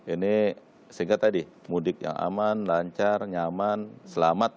ini sehingga tadi mudik yang aman lancar nyaman selamat